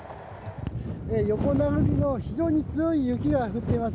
横殴りの非常に強い雪が降っています。